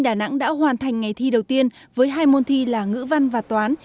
đà nẵng đã hoàn thành ngày thi đầu tiên với hai môn thi là ngữ văn và toán